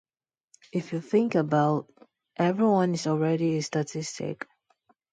If you think about, everyone is already a statistic.